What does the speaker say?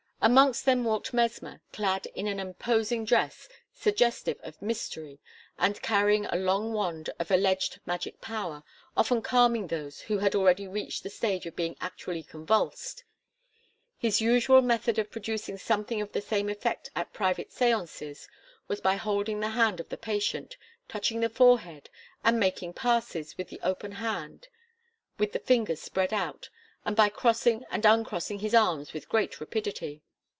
Amongst them walked Mesmer, clad in an imposing dress suggestive of mystery and carrying a long wand of alleged magic power; often calming those who had already reached the stage of being actually convulsed. His usual method of producing something of the same effect at private séances, was by holding the hand of the patient, touching the forehead and making "passes" with the open hand with fingers spread out, and by crossing and uncrossing his arms with great rapidity.